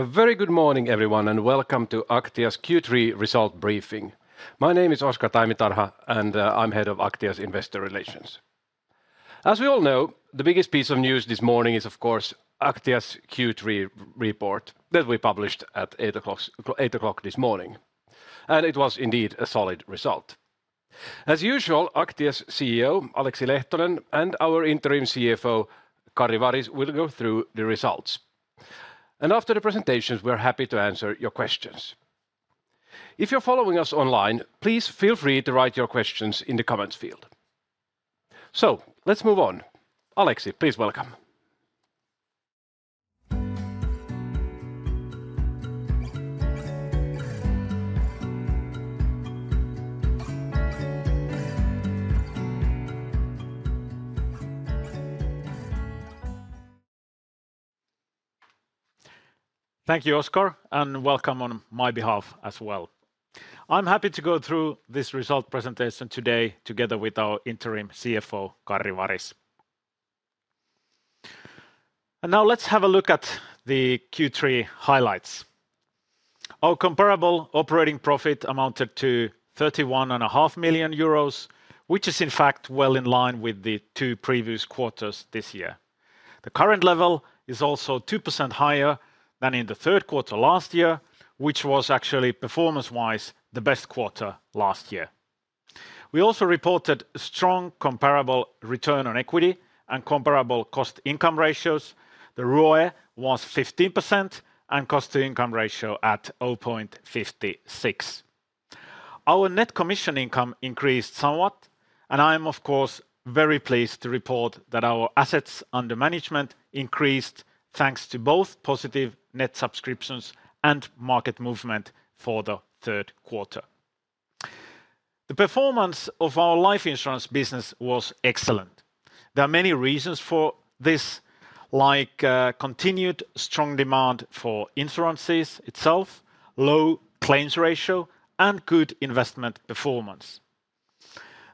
A very good morning, everyone, and welcome to Aktia's Q3 Result briefing. My name is Oscar Taimitarha, and I'm head of Aktia's investor relations. As we all know, the biggest piece of news this morning is, of course, Aktia's Q3 report that we published at 8:00 A.M. this morning, and it was indeed a solid result. As usual, Aktia's CEO, Aleksi Lehtonen, and our Interim CFO, Karri Varis, will go through the results, and after the presentations, we're happy to answer your questions. If you're following us online, please feel free to write your questions in the comments field, so let's move on. Aleksi, please welcome. Thank you, Oscar, and welcome on my behalf as well. I'm happy to go through this result presentation today together with our Interim CFO, Karri Varis. Now let's have a look at the Q3 highlights. Our comparable operating profit amounted to 31.5 million euros, which is, in fact, well in line with the two previous quarters this year. The current level is also 2% higher than in the third quarter last year, which was actually, performance-wise, the best quarter last year. We also reported strong comparable return on equity and comparable cost-to-income ratios. The ROE was 15% and cost-to-income ratio at 0.56. Our net commission income increased somewhat, and I am, of course, very pleased to report that our assets under management increased thanks to both positive net subscriptions and market movement for the third quarter. The performance of our life insurance business was excellent. There are many reasons for this, like continued strong demand for insurances itself, low claims ratio, and good investment performance.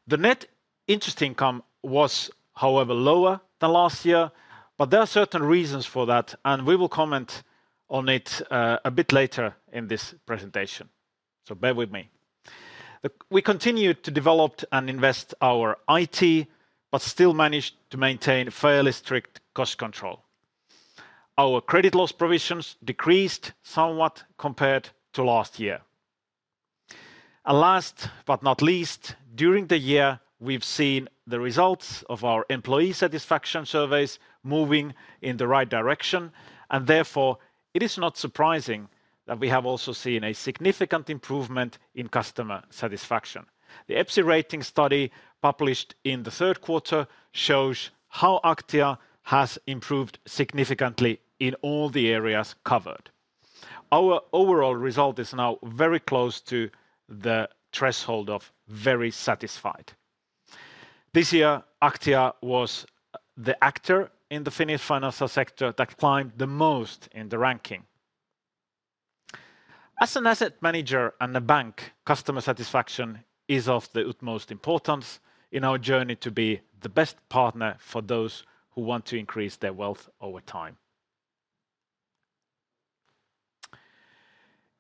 The net interest income was, however, lower than last year, but there are certain reasons for that, and we will comment on it a bit later in this presentation, so bear with me. We continued to develop and invest our IT, but still managed to maintain fairly strict cost control. Our credit loss provisions decreased somewhat compared to last year, and last but not least, during the year, we've seen the results of our employee satisfaction surveys moving in the right direction, and therefore it is not surprising that we have also seen a significant improvement in customer satisfaction. The EPSI Rating study published in the third quarter shows how Aktia has improved significantly in all the areas covered. Our overall result is now very close to the threshold of very satisfied. This year, Aktia was the actor in the Finnish financial sector that climbed the most in the ranking. As an asset manager and a bank, customer satisfaction is of the utmost importance in our journey to be the best partner for those who want to increase their wealth over time.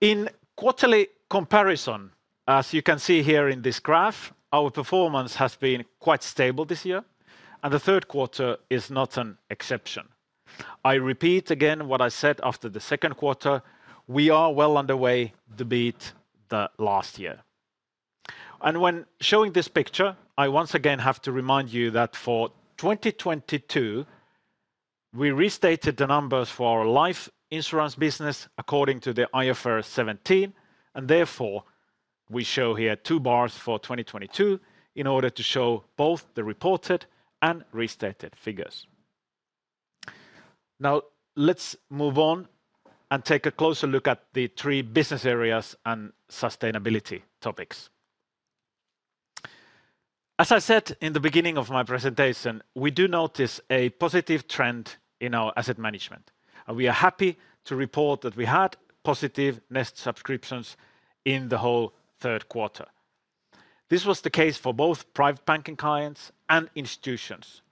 In quarterly comparison, as you can see here in this graph, our performance has been quite stable this year, and the third quarter is not an exception. I repeat again what I said after the second quarter: we are well underway to beat the last year. When showing this picture, I once again have to remind you that for 2022, we restated the numbers for our life insurance business according to the IFRS 17, and therefore we show here two bars for 2022 in order to show both the reported and restated figures. Now let's move on and take a closer look at the three business areas and sustainability topics. As I said in the beginning of my presentation, we do notice a positive trend in our asset management, and we are happy to report that we had positive net subscriptions in the whole third quarter. This was the case for both private banking clients and institutions,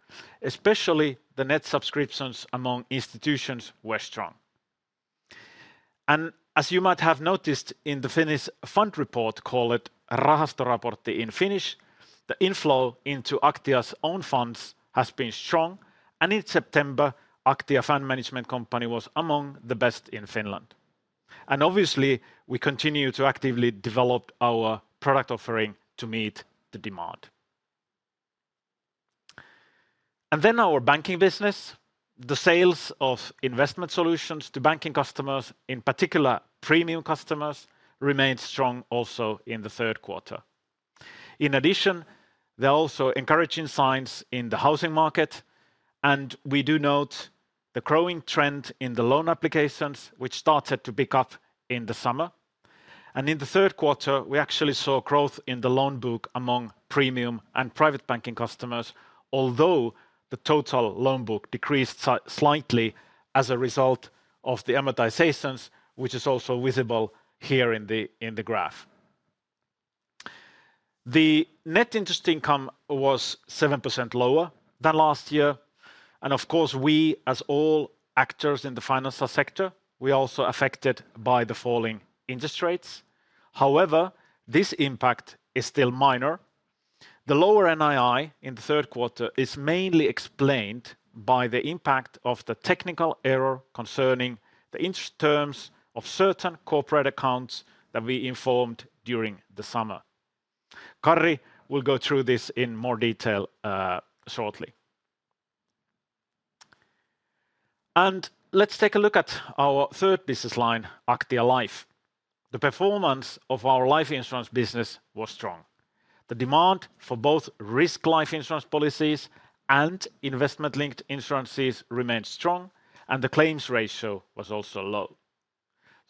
especially the net subscriptions among institutions were strong. As you might have noticed in the Finnish fund report called Rahastoraportti in Finnish, the inflow into Aktia's own funds has been strong, and in September, Aktia Fund Management Company was among the best in Finland. Obviously, we continue to actively develop our product offering to meet the demand. Then our banking business, the sales of investment solutions to banking customers, in particular premium customers, remained strong also in the third quarter. In addition, there are also encouraging signs in the housing market, and we do note the growing trend in the loan applications, which started to pick up in the summer. In the third quarter, we actually saw growth in the loan book among premium and private banking customers, although the total loan book decreased slightly as a result of the amortizations, which is also visible here in the graph. The net interest income was 7% lower than last year, and of course, we as all actors in the financial sector, we are also affected by the falling interest rates. However, this impact is still minor. The lower NII in the third quarter is mainly explained by the impact of the technical error concerning the interest terms of certain corporate accounts that we informed during the summer. Karri will go through this in more detail shortly, and let's take a look at our third business line, Aktia Life. The performance of our life insurance business was strong. The demand for both risk life insurance policies and investment-linked insurances remained strong, and the claims ratio was also low,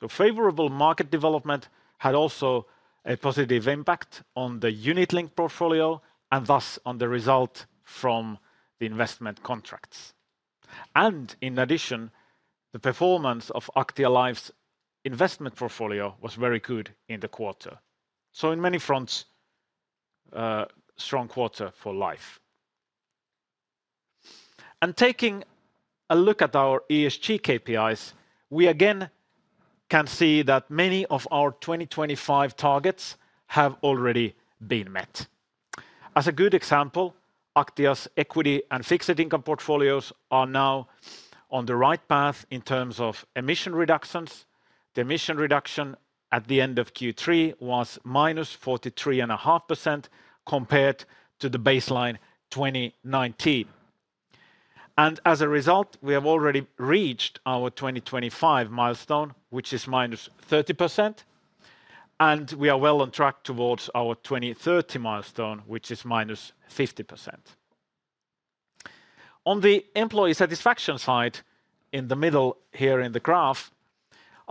so favorable market development had also a positive impact on the unit-linked portfolio and thus on the result from the investment contracts. In addition, the performance of Aktia Life's investment portfolio was very good in the quarter. In many fronts, a strong quarter for life. Taking a look at our ESG KPIs, we again can see that many of our 2025 targets have already been met. As a good example, Aktia's equity and fixed income portfolios are now on the right path in terms of emission reductions. The emission reduction at the end of Q3 was minus 43.5% compared to the baseline 2019. As a result, we have already reached our 2025 milestone, which is minus 30%, and we are well on track towards our 2030 milestone, which is minus 50%. On the employee satisfaction side, in the middle here in the graph,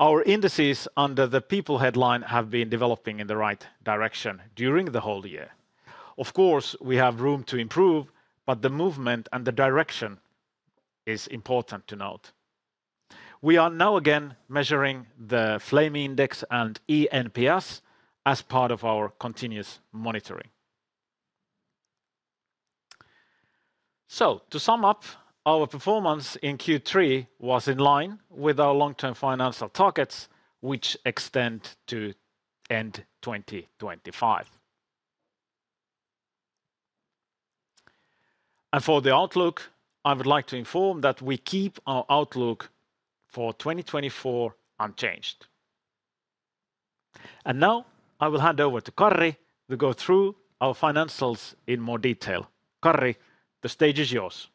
our indices under the people headline have been developing in the right direction during the whole year. Of course, we have room to improve, but the movement and the direction is important to note. We are now again measuring the Flame index and eNPS as part of our continuous monitoring. So to sum up, our performance in Q3 was in line with our long-term financial targets, which extend to end 2025. And for the outlook, I would like to inform that we keep our outlook for 2024 unchanged. And now I will hand over to Karri to go through our financials in more detail. Karri, the stage is yours.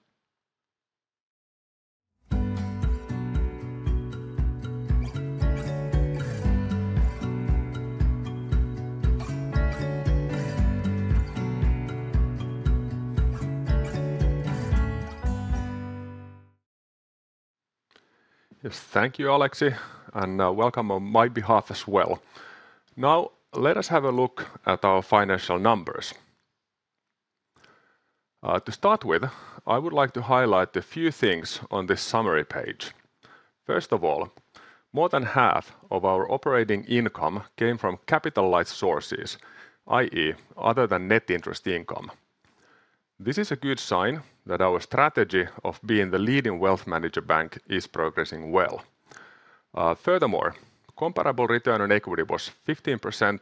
Yes, thank you, Aleksi, and welcome on my behalf as well. Now let us have a look at our financial numbers. To start with, I would like to highlight a few things on this summary page. First of all, more than half of our operating income came from capital-like sources, i.e., other than net interest income. This is a good sign that our strategy of being the leading wealth manager bank is progressing well. Furthermore, comparable return on equity was 15%,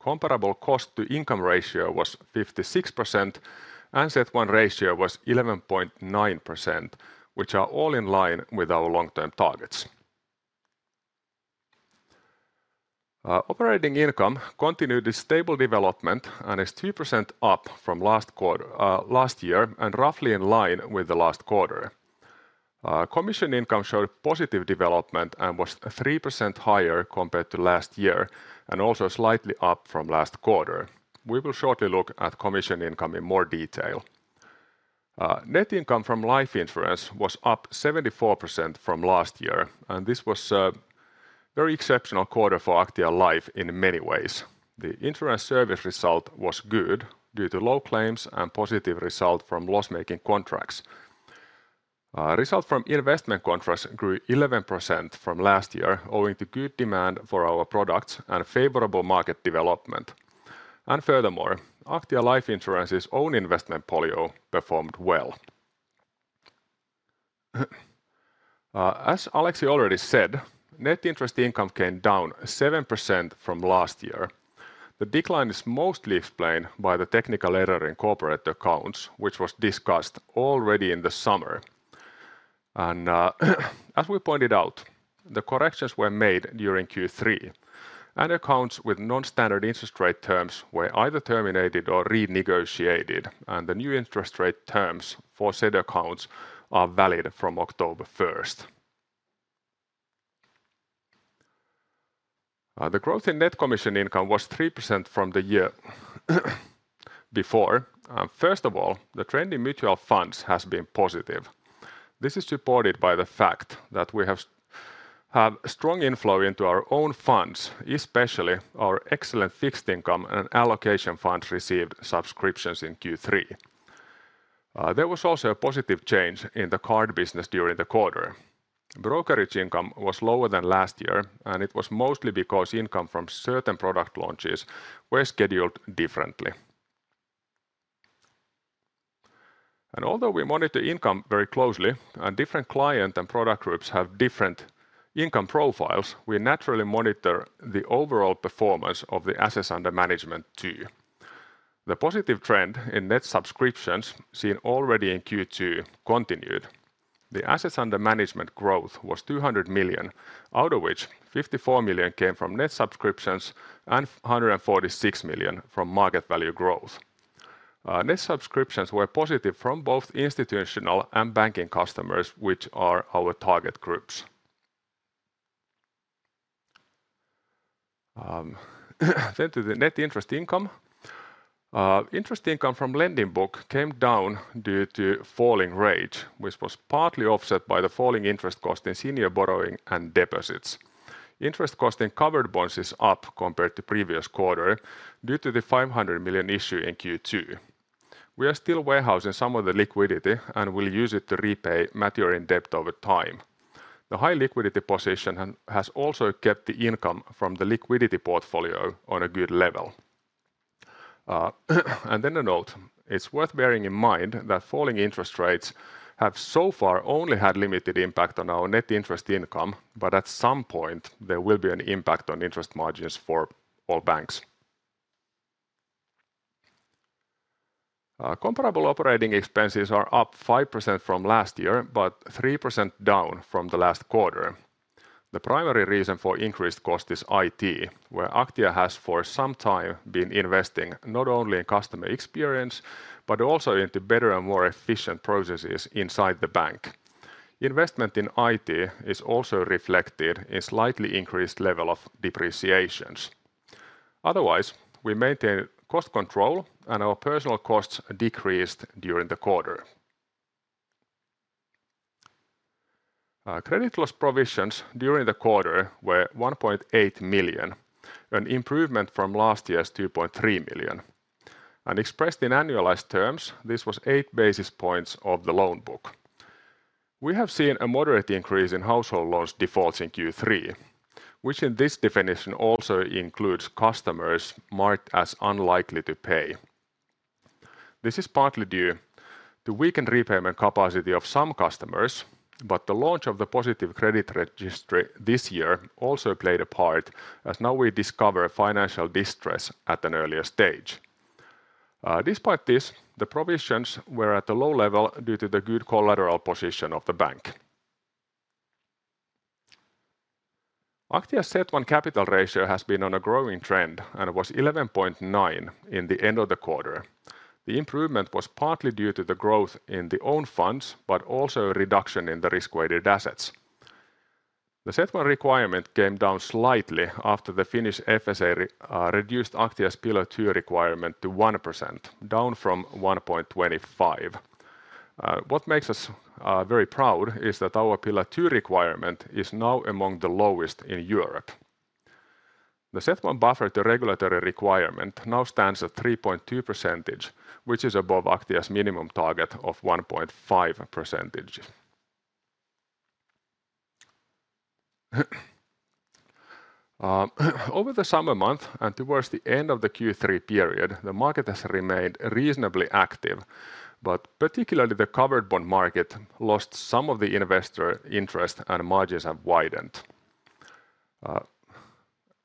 comparable cost-to-income ratio was 56%, and CET1 ratio was 11.9%, which are all in line with our long-term targets. Operating income continued its stable development and is 2% up from last year and roughly in line with the last quarter. Commission income showed positive development and was 3% higher compared to last year and also slightly up from last quarter. We will shortly look at commission income in more detail. Net income from life insurance was up 74% from last year, and this was a very exceptional quarter for Aktia Life in many ways. The insurance service result was good due to low claims and positive result from loss-making contracts. Result from investment contracts grew 11% from last year, owing to good demand for our products and favorable market development. And furthermore, Aktia Life Insurance's own investment portfolio performed well. As Aleksi already said, net interest income came down 7% from last year. The decline is mostly explained by the technical error in corporate accounts, which was discussed already in the summer. And as we pointed out, the corrections were made during Q3, and accounts with non-standard interest rate terms were either terminated or renegotiated, and the new interest rate terms for said accounts are valid from October 1st. The growth in net commission income was 3% from the year before. First of all, the trend in mutual funds has been positive. This is supported by the fact that we have strong inflow into our own funds, especially our excellent fixed income and allocation funds received subscriptions in Q3. There was also a positive change in the card business during the quarter. Brokerage income was lower than last year, and it was mostly because income from certain product launches was scheduled differently. And although we monitor income very closely and different client and product groups have different income profiles, we naturally monitor the overall performance of the assets under management too. The positive trend in net subscriptions seen already in Q2 continued. The assets under management growth was 200 million, out of which 54 million came from net subscriptions and 146 million from market value growth. Net subscriptions were positive from both institutional and banking customers, which are our target groups. Then to the net interest income. Interest income from lending book came down due to falling rates, which was partly offset by the falling interest cost in senior borrowing and deposits. Interest cost in covered bonds is up compared to previous quarter due to the 500 million issue in Q2. We are still warehousing some of the liquidity and will use it to repay maturing debt over time. The high liquidity position has also kept the income from the liquidity portfolio on a good level. And then a note, it's worth bearing in mind that falling interest rates have so far only had limited impact on our net interest income, but at some point there will be an impact on interest margins for all banks. Comparable operating expenses are up 5% from last year, but 3% down from the last quarter. The primary reason for increased cost is IT, where Aktia has for some time been investing not only in customer experience, but also into better and more efficient processes inside the bank. Investment in IT is also reflected in slightly increased level of depreciations. Otherwise, we maintained cost control and our personnel costs decreased during the quarter. Credit loss provisions during the quarter were 1.8 million, an improvement from last year's 2.3 million, and expressed in annualized terms, this was eight basis points of the loan book. We have seen a moderate increase in household loans defaults in Q3, which in this definition also includes customers marked as unlikely to pay. This is partly due to weakened repayment capacity of some customers, but the launch of the Positive Credit Registry this year also played a part as now we discover financial distress at an earlier stage. Despite this, the provisions were at a low level due to the good collateral position of the bank. Aktia's CET1 capital ratio has been on a growing trend and was 11.9 in the end of the quarter. The improvement was partly due to the growth in the own funds, but also a reduction in the risk-weighted assets. The CET1 requirement came down slightly after the Finnish FSA reduced Aktia's Pillar 2 requirement to 1%, down from 1.25%. What makes us very proud is that our Pillar 2 requirement is now among the lowest in Europe. The CET1 buffer to regulatory requirement now stands at 3.2%, which is above Aktia's minimum target of 1.5%. Over the summer months and towards the end of the Q3 period, the market has remained reasonably active, but particularly the covered bond market lost some of the investor interest and margins have widened.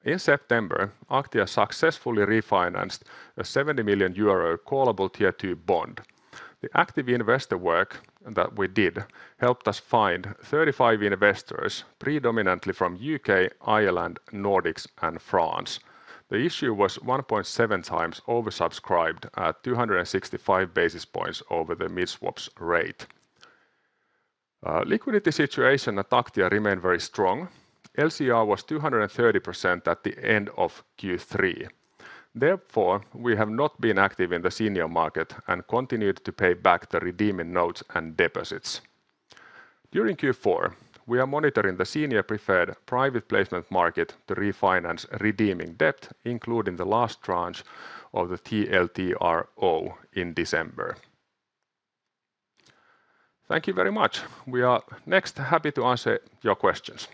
In September, Aktia successfully refinanced a 70 million euro callable Tier 2 bond. The active investor work that we did helped us find 35 investors, predominantly from UK, Ireland, Nordics, and France. The issue was 1.7 times oversubscribed at 265 basis points over the mid-swaps rate. Liquidity situation at Aktia remained very strong. LCR was 230% at the end of Q3. Therefore, we have not been active in the senior market and continued to pay back the redeeming notes and deposits. During Q4, we are monitoring the senior preferred private placement market to refinance redeeming debt, including the last tranche of the TLTRO in December. Thank you very much. We are next happy to answer your questions.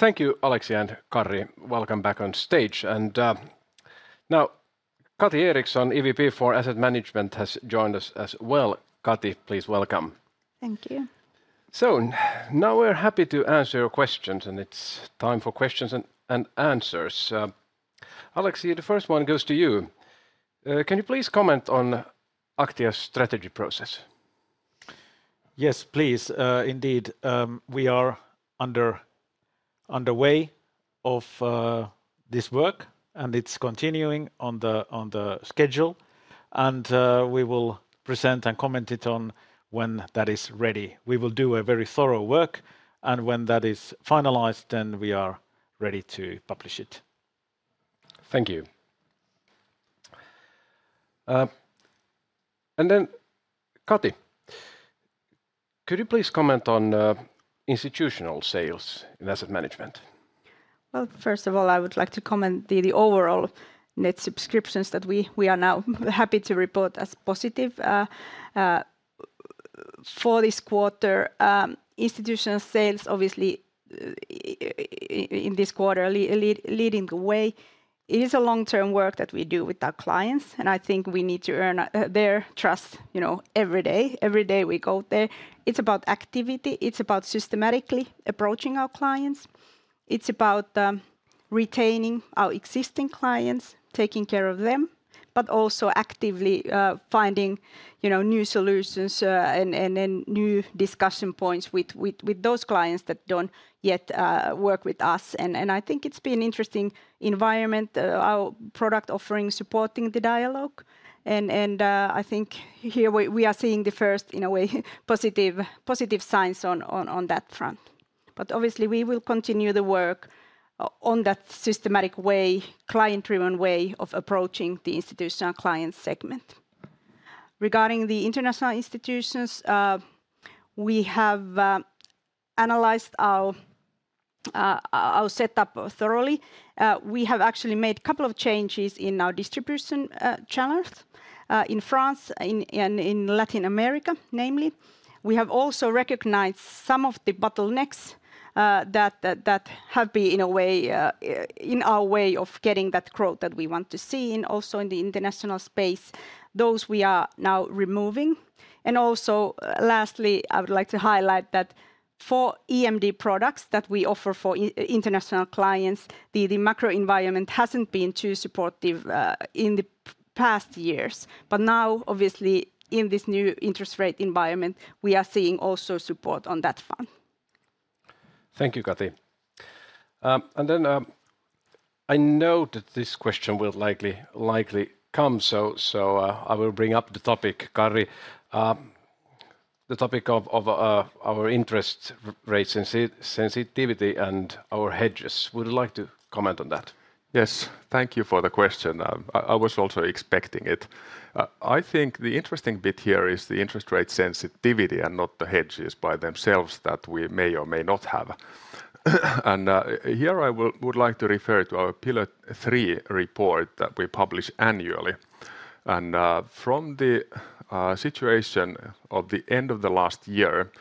Thank you, Aleksi, and Karri. Welcome back on stage. And now Kati Eriksson, EVP for Asset Management, has joined us as well. Kati, please welcome. Thank you. So now we're happy to answer your questions, and it's time for questions and answers. Aleksi, the first one goes to you. Can you please comment on Aktia's strategy process? Yes, please. Indeed, we are underway with this work, and it's continuing on the schedule. And we will present and comment on it when that is ready. We will do a very thorough work, and when that is finalized, then we are ready to publish it. Thank you. And then Kati, could you please comment on institutional sales in asset management? First of all, I would like to comment on the overall net subscriptions that we are now happy to report as positive for this quarter. Institutional sales obviously in this quarter leading the way. It is a long-term work that we do with our clients, and I think we need to earn their trust every day. Every day we go there. It is about activity. It is about systematically approaching our clients. It is about retaining our existing clients, taking care of them, but also actively finding new solutions and new discussion points with those clients that do not yet work with us. And I think it has been an interesting environment, our product offering supporting the dialogue. And I think here we are seeing the first, in a way, positive signs on that front. But obviously, we will continue the work on that systematic way, client-driven way of approaching the institutional client segment. Regarding the international institutions, we have analyzed our setup thoroughly. We have actually made a couple of changes in our distribution channels in France and in Latin America, namely. We have also recognized some of the bottlenecks that have been, in a way, in our way of getting that growth that we want to see in the international space, those we are now removing, and also lastly, I would like to highlight that for EMD products that we offer for international clients, the macro environment hasn't been too supportive in the past years, but now, obviously, in this new interest rate environment, we are seeing also support on that front. Thank you, Kati. Then I know that this question will likely come, so I will bring up the topic, Karri, the topic of our interest rate sensitivity and our hedges. Would you like to comment on that? Yes, thank you for the question. I was also expecting it. I think the interesting bit here is the interest rate sensitivity and not the hedges by themselves that we may or may not have. And here I would like to refer to our Pillar 3 report that we publish annually. And from the situation of the end of the last year,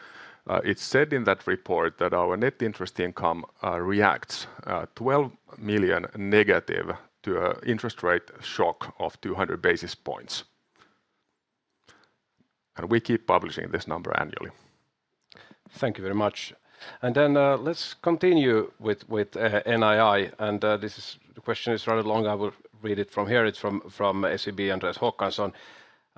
it said in that report that our net interest income reacts 12 million negative to an interest rate shock of 200 basis points. And we keep publishing this number annually. Thank you very much, and then let's continue with NII, and this question is rather long. I will read it from here. It's from SEB, Andreas Håkansson.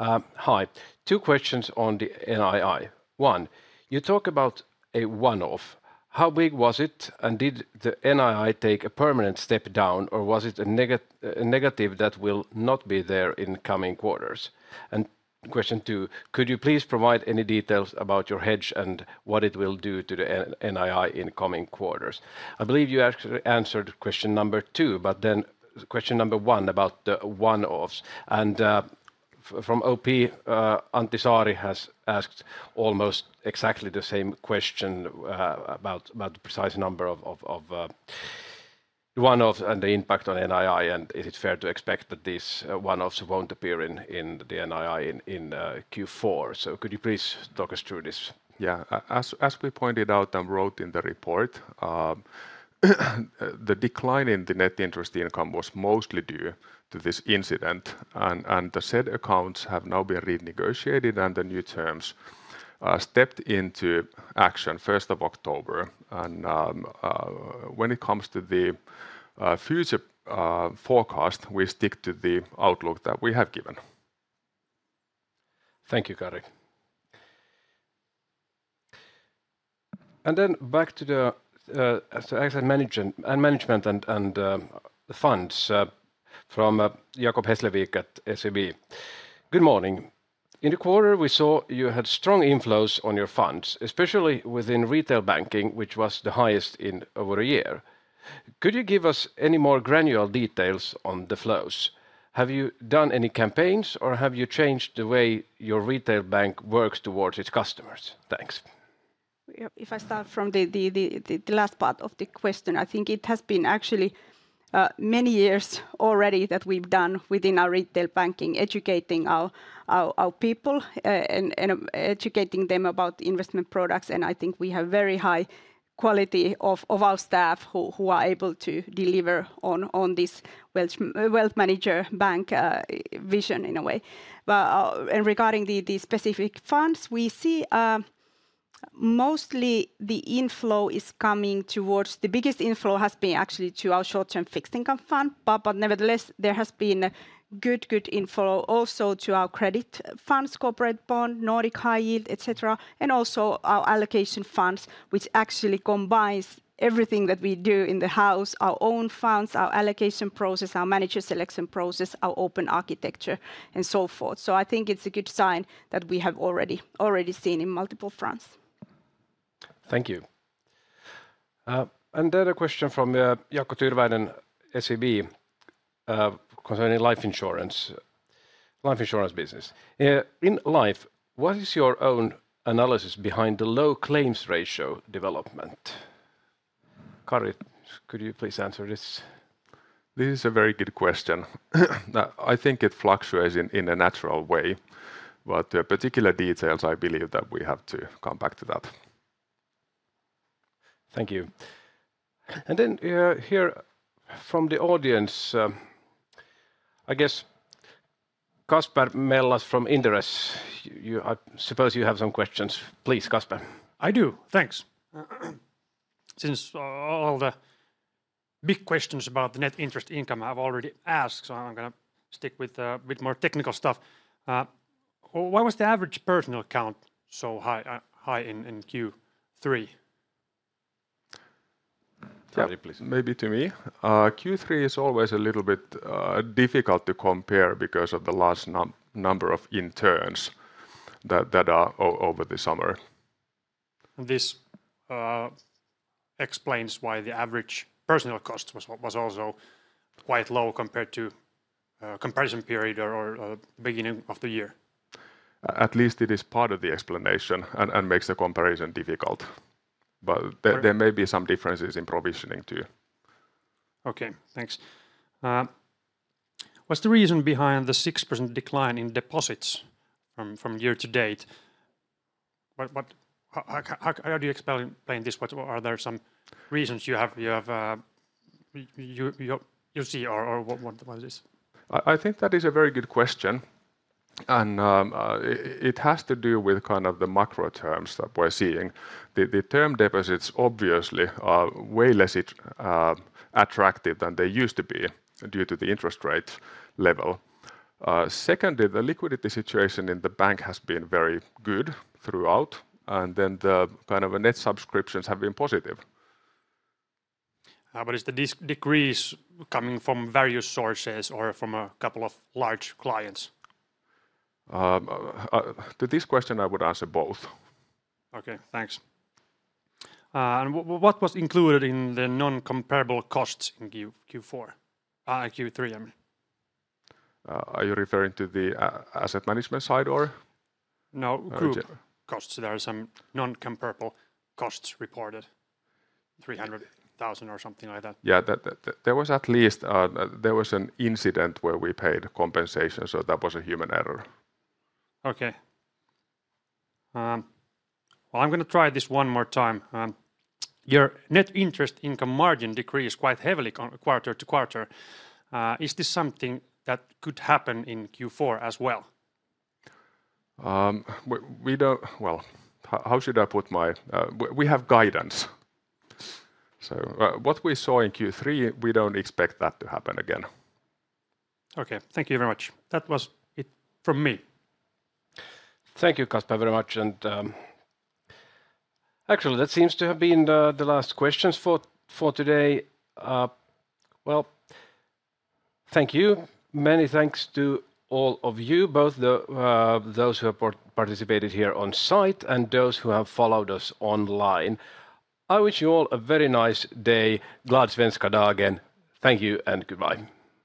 Hi. Two questions on the NII. One, you talk about a one-off. How big was it, and did the NII take a permanent step down, or was it a negative that will not be there in coming quarters, and question two, could you please provide any details about your hedge and what it will do to the NII in coming quarters? I believe you actually answered question number two, but then question number one about the one-offs, and from OP, Antti Saari has asked almost exactly the same question about the precise number of one-offs and the impact on NII, and is it fair to expect that these one-offs won't appear in the NII in Q4, so could you please talk us through this? Yeah, as we pointed out and wrote in the report, the decline in the net interest income was mostly due to this incident. And the said accounts have now been renegotiated, and the new terms stepped into action 1st of October. And when it comes to the future forecast, we stick to the outlook that we have given. Thank you, Karri, and then back to the asset management and funds from Jacob Hesslevik at SEB. Good morning. In the quarter, we saw you had strong inflows on your funds, especially within retail banking, which was the highest in over a year. Could you give us any more granular details on the flows? Have you done any campaigns, or have you changed the way your retail bank works towards its customers? Thanks. If I start from the last part of the question, I think it has been actually many years already that we've done within our retail banking, educating our people and educating them about investment products. And I think we have very high quality of our staff who are able to deliver on this wealth manager bank vision in a way. And regarding the specific funds, we see mostly the inflow is coming towards the biggest inflow has been actually to our short-term fixed income fund. But nevertheless, there has been good, good inflow also to our credit funds, corporate bond, nordic high yield, etc. And also our allocation funds, which actually combines everything that we do in the house, our own funds, our allocation process, our manager selection process, our open architecture, and so forth. So I think it's a good sign that we have already seen in multiple fronts. Thank you. And then a question from Jaakko Tyrväinen, SEB, concerning life insurance business. In life, what is your own analysis behind the low claims ratio development? Karri, could you please answer this? This is a very good question. I think it fluctuates in a natural way, but particular details I believe that we have to come back to that. Thank you. And then here from the audience, I guess Kasper Mellas from Inderes, I suppose you have some questions. Please, Kasper. I do, thanks. Since all the big questions about the net interest income I've already asked, so I'm going to stick with more technical stuff. Why was the average personnel count so high in Q3? Karri, please. Maybe to me. Q3 is always a little bit difficult to compare because of the large number of interns that are over the summer. This explains why the average personnel cost was also quite low compared to the comparison period or the beginning of the year. At least it is part of the explanation and makes the comparison difficult, but there may be some differences in provisioning too. Okay, thanks. What's the reason behind the 6% decline in deposits from year to date? How do you explain this? Are there some reasons you see or what is this? I think that is a very good question, and it has to do with kind of the macro terms that we're seeing. The term deposits obviously are way less attractive than they used to be due to the interest rate level. Secondly, the liquidity situation in the bank has been very good throughout, and then the kind of net subscriptions have been positive. But is the decrease coming from various sources or from a couple of large clients? To this question, I would answer both. Okay, thanks. And what was included in the non-comparable costs in Q4? Q3, I mean. Are you referring to the asset management side or? No, group costs. There are some non-comparable costs reported, 300,000 or something like that. Yeah, there was at least an incident where we paid compensation, so that was a human error. Okay. Well, I'm going to try this one more time. Your net interest income margin decreased quite heavily quarter to quarter. Is this something that could happen in Q4 as well? Well, how should I put it? We have guidance. So what we saw in Q3, we don't expect that to happen again. Okay, thank you very much. That was it from me. Thank you, Kasper, very much. And actually, that seems to have been the last questions for today. Well, thank you. Many thanks to all of you, both those who have participated here on site and those who have followed us online. I wish you all a very nice day. Glad Svenska Dagen. Thank you and goodbye.